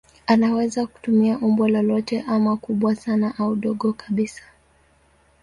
Anaweza kutumia umbo lolote ama kubwa sana au dogo kabisa.